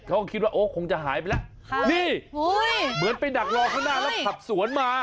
เขาก็คิดว่าโอ้คงจะหายไปแล้วนี่เหมือนไปดักรอข้างหน้าแล้วขับสวนมา